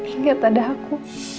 ingat ada aku